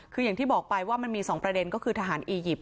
คืออย่างที่บอกไปว่ามันมี๒ประเด็นก็คือทหารอียิปต์